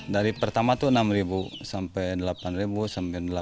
dari pertama itu enam ribu sampai delapan ribu sampai delapan lima